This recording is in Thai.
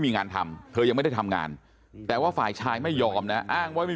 มีงานทำเธอยังไม่ได้ทำงานแต่ว่าฝ่ายชายไม่ยอมนะอ้างว่ามี